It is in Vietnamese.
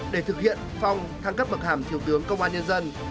để thực hiện phong thăng cấp bậc hàm thiếu tướng công an nhân dân